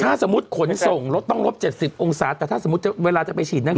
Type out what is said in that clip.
ถ้าสมมุติขนส่งรถต้องลบ๗๐องศาแต่ถ้าสมมุติเวลาจะไปฉีดนั้น